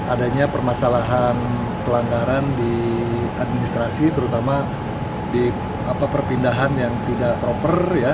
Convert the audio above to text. adanya permasalahan pelanggaran di administrasi terutama di perpindahan yang tidak proper ya